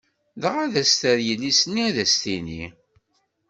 Dɣa ad as-terr yelli-s-nni, ad as-tini.